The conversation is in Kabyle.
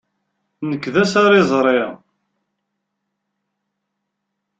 Nekk d asariẓri.